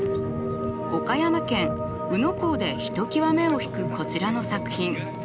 岡山県宇野港でひときわ目を引くこちらの作品。